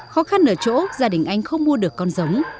khó khăn ở chỗ gia đình anh không mua được con giống